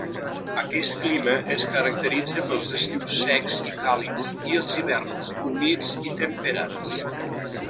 Aquest clima es caracteritza pels estius secs i càlids, i els hiverns humits i temperats.